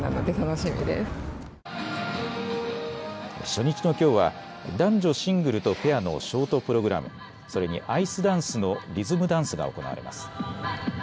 初日のきょうは、男女シングルとペアのショートプログラム、それにアイスダンスのリズムダンスが行われます。